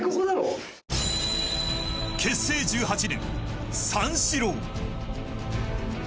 結成１８年、三四郎。